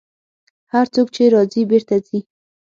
هر څوک چې راځي، بېرته ځي.